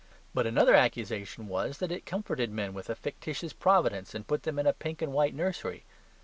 But another accusation was that it comforted men with a fictitious providence, and put them in a pink and white nursery.